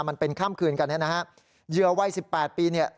มันเป็นค่ำคืนกันเนี่ยนะฮะเหยื่อวัยสิบแปดปีเนี่ย